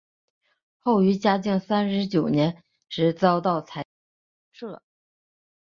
后于嘉靖三十九年时遭到裁撤。